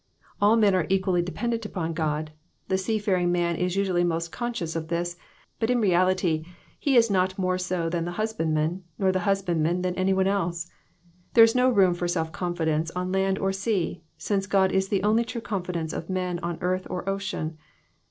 All men are equally dependent upon God : the seafaring man is usually most conscious of this, but in reality he is not more so than the hus bandman, nor the husbandman than anyone else. There is no room for self confidence on land or sea, since God is the only true confidence of men on earth or ocean.